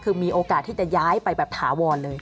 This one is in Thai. คือมีโอกาสที่จะย้ายไปแบบถาวรเลย